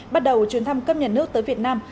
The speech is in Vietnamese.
bắt đầu chuyến thăm cấp nhà nước tới việt nam